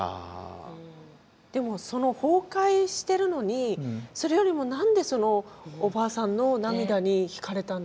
でもその崩壊してるのにそれよりも何でおばあさんの涙にひかれたんですか？